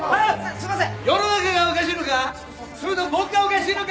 すいません。